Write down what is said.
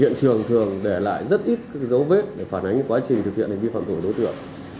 hiện trường thường để lại rất ít các dấu vết để phản ánh quá trình thực hiện hành vi phạm tội của đối tượng